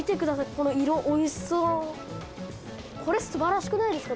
この色おいしそうこれ素晴らしくないですか？